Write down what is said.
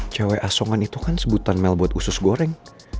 cewek asongan itu kan sebutan mel buat usus goreng